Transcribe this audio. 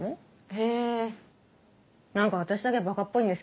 へえーなんか私だけバカっぽいんですけど